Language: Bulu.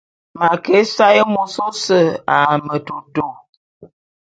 M'a ke ésaé môs ôse a metôtô.